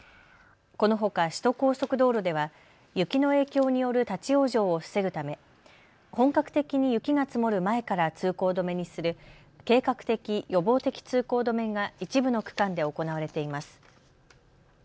このほか首都高速道路では雪の影響による立往生を防ぐため本格的に雪が積もる前から通行止めにする計画的・予防的通行止めが一部の区間で行われています。